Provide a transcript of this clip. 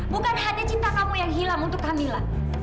bukan hanya cinta kamu yang hilang untuk kamila